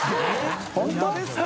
本当ですか？